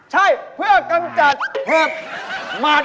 ใช่เพื่อกำจัดเห็บหมัด